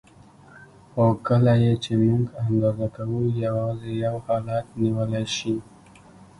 خو کله یې چې موږ اندازه کوو یوازې یو حالت نیولی شي.